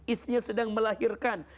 istrinya sedang melahirkan